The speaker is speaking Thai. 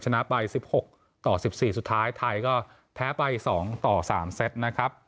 ชนะไปสิบหกต่อสิบสี่สุดท้ายไทยก็แท้ไปสองต่อสามเซทนะครับ